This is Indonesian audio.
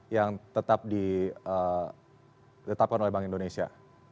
yang tetap ditetapkan oleh bank indonesia